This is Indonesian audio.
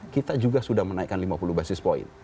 kita juga sudah menaikkan lima puluh basis point